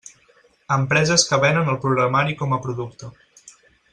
Empreses que venen el programari com a producte.